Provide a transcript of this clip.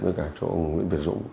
với cả chỗ nguyễn việt dũng